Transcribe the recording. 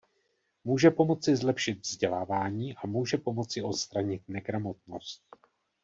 Může pomoci zlepšit vzdělávání a může pomoci odstranit negramotnost.